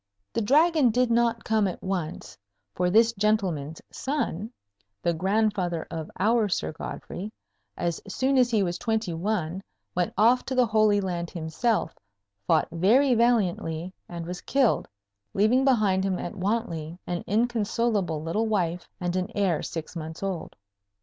The Dragon did not come at once, for this gentleman's son, the grandfather of our Sir Godfrey, as soon as he was twenty one, went off to the Holy Land himself, fought very valiantly, and was killed, leaving behind him at Wantley an inconsolable little wife and an heir six months old.